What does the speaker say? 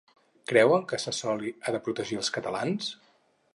Creuen que Sassoli ha de protegir els catalans?